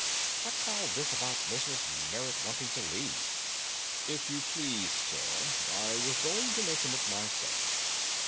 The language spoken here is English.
"What's all this about Mrs. Merrit wanting to leave?" "If you please, sir, I was going to mention it myself.